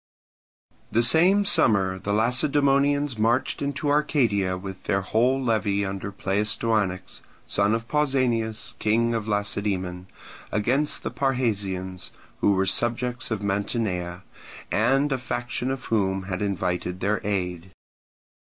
The same summer the Lacedaemonians marched into Arcadia with their whole levy under Pleistoanax, son of Pausanias, king of Lacedaemon, against the Parrhasians, who were subjects of Mantinea, and a faction of whom had invited their aid.